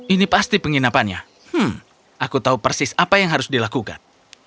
ini pasti penginapannya hmm aku tahu persis apa yang harus dilakukan